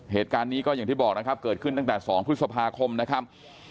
เหตุการณ์นี้ก็อย่างที่บอกนะครับเกิดขึ้นตั้งแต่๒พฤษภาคมนะครับ